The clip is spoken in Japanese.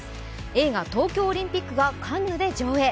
映画「東京オリンピック」がカンヌで上映。